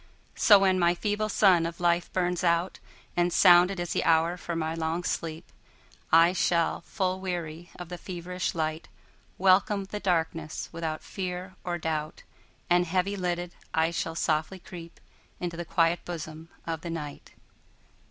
So when my feeble sun of life burns out, And sounded is the hour for my long sleep,I shall, full weary of the feverish light, Welcome the darkness without fear or doubt, And heavy lidded, I shall softly creepInto the quiet bosom of the Night.